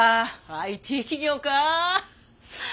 ＩＴ企業かぁ。